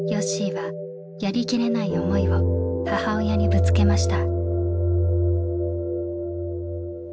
はやりきれない思いを母親にぶつけました。